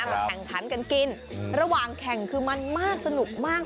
มาแข่งขันกันกินระหว่างแข่งคือมันมากสนุกมาก